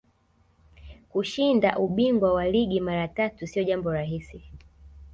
kushinda ubingwa wa ligi mara tatu siyo jambo rahisi